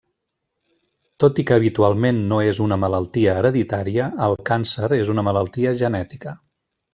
Tot i que habitualment no és una malaltia hereditària, el càncer és una malaltia genètica.